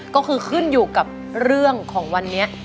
ก็คือขึ้นอยู่กับเรื่องของวันนี้